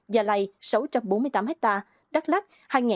gia lai sáu trăm bốn mươi tám ha đắk lách hai ha